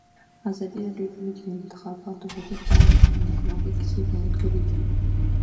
ازادي راډیو د د انتخاباتو بهیر په اړه د نېکمرغۍ کیسې بیان کړې.